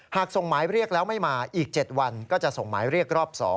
ส่งหมายเรียกแล้วไม่มาอีก๗วันก็จะส่งหมายเรียกรอบ๒